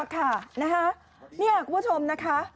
ค่ะนี่คุณผู้ชมนะคะ